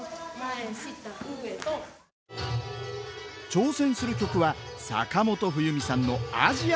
挑戦する曲は坂本冬美さんの「アジアの海賊」。